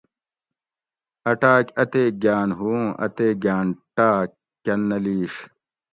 ا ٹاۤک اتیک گھاۤن ہُو اُوں اتیک گھاۤن ٹاک کۤن نہ لِیش